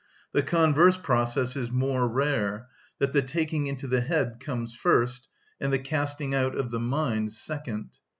The converse process is more rare, that the "taking into the head" comes first, and the "casting out of the mind" second.